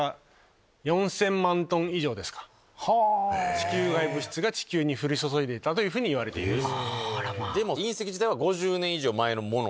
地球外物質が地球に降り注いでいたといわれています。